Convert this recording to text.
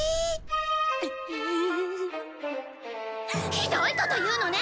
ひどいこと言うのね！